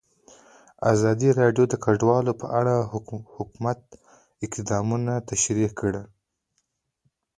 ازادي راډیو د کډوال په اړه د حکومت اقدامات تشریح کړي.